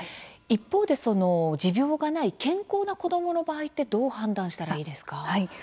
一方で持病がない健康な子どもの場合ってどう判断したらいいですか？